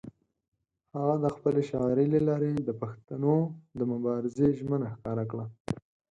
هغه د خپلې شاعرۍ له لارې د پښتنو د مبارزې ژمنه ښکاره کړه.